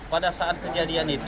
pada saat kejadian